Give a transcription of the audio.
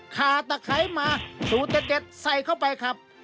ขาตะไคร้มาสูตรเด็ดใส่เข้าไปครับ